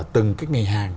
từng ngành hàng